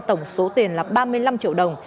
tổng số tiền là ba mươi năm triệu đồng